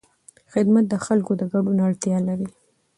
خدمت د خلکو د ګډون اړتیا لري.